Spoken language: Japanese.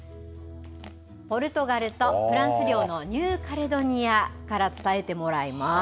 ポルトガルと、フランス領のニューカレドニアから伝えてもらいます。